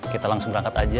kita langsung berangkat aja